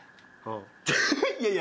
いやいや。